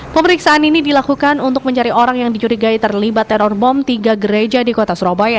pemeriksaan ini dilakukan untuk mencari orang yang dicurigai terlibat teror bom tiga gereja di kota surabaya